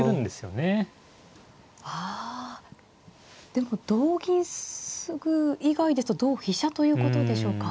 でも同銀直以外ですと同飛車ということでしょうか。